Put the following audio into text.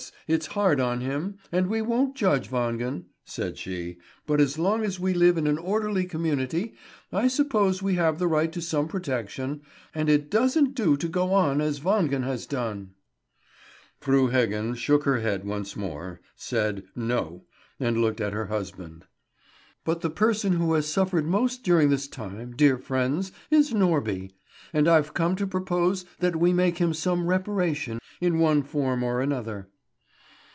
It's hard on him, and we won't judge Wangen," said she, "but as long as we live in an orderly community, I suppose we have the right to some protection; and it doesn't do to go on as Wangen has done." Fru Heggen shook her head once more, said "No," and looked at her husband. "But the person who has suffered most during this time, dear friends, is Norby; and I've come to propose that we make him some reparation in one form or another."